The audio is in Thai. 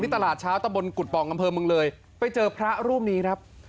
ที่ตลาดเช้าตะบลกุฎปองกำเพิงมึงเลยไปเจอพระรูปนี้ครับ